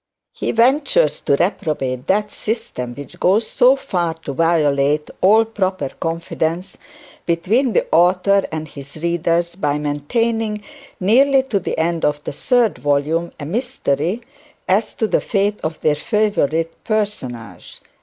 He ventures to reprobate that system which goes so far to violate all proper confidence between the author and his readers, by maintaining nearly to the end of the third volume a mystery as to the fate of their favourite personage.